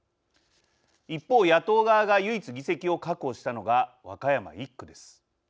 一方、野党側が唯一議席を確保したのが和歌山１区です。